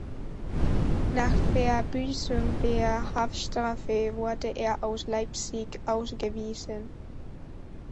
Nach Verbüßung der Haftstrafe wurde er aus Leipzig ausgewiesen.